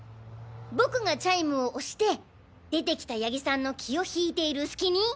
僕がチャイムを押して出てきた谷木さんの気をひいているスキに。